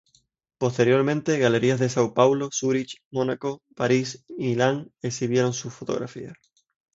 Posteriormente, galerías de São Paulo, Zurich, Monaco, Paris y Milan exhibieron sus fotografías.